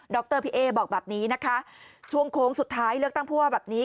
รพี่เอ๊บอกแบบนี้นะคะช่วงโค้งสุดท้ายเลือกตั้งผู้ว่าแบบนี้